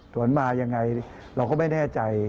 สวนมายังไงเราก็ไม่แน่ใจ